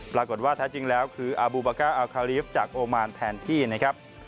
ปรากฏว่าแท้จริงแล้วคืออาบูบาก้าอัลคารีฟจากโอมานแทนที่นะครับ